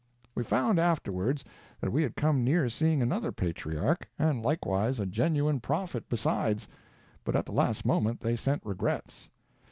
We found afterwards that we had come near seeing another patriarch, and likewise a genuine prophet besides, but at the last moment they sent regrets.